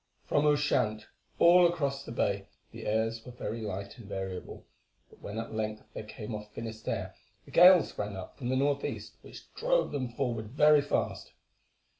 From Ushant all across the Bay the airs were very light and variable, but when at length they came off Finisterre a gale sprang up from the north east which drove them forward very fast.